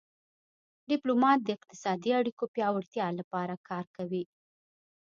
ډیپلومات د اقتصادي اړیکو پیاوړتیا لپاره کار کوي